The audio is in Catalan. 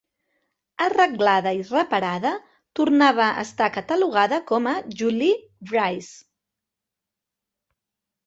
Arreglada i reparada, tornava a estar catalogada com a "Jolie Brise".